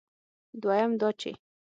دویم دا چې